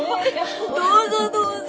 どうぞどうぞ。